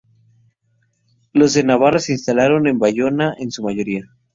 Los de Navarra se instalaron en Bayona en su mayoría.